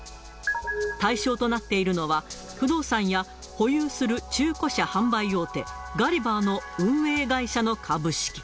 対象となっているのは、不動産や保有する中古車販売大手、ガリバーの運営会社の株式。